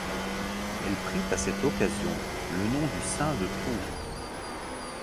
Elle prit à cette occasion le nom du saint de Tour.